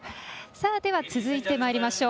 では続いてまいりましょう。